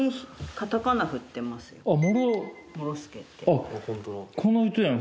あっこの人やん。